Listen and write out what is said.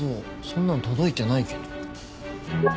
そんなの届いてないけど。